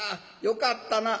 よかったな」。